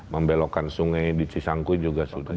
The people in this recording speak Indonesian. membelokkan sungai di cisangku juga sudah